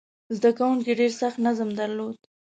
زده کوونکي ډېر سخت نظم درلود.